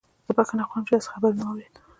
زه بخښنه غواړم چې داسې خبر مې واورید